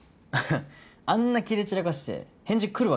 あんなキレ散らかして返事来る